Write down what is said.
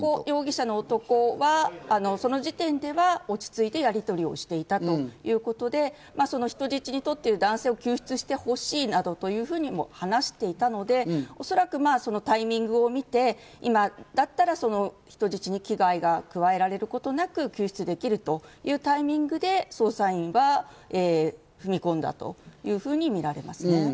容疑者の男はその時点では落ち着いてやりとりをしていたということで人質に取っている男性を救出してほしいなどというふうに話していたので、おそらくタイミングをみて今だったら人質に危害が加えられることなく救出できるというタイミングで捜査員が踏み込んだというふうに見られますね。